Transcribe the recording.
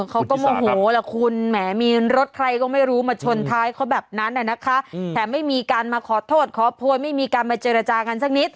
เขาก็โมโหล่ะคุณแหมมีรถใครก็ไม่รู้มาชนท้ายเขาแบบนั้นนะคะแถมไม่มีการมาขอโทษขอโพยไม่มีการมาเจรจากันสักนิด